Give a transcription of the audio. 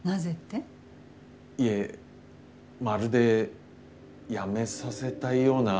いえまるで辞めさせたいような。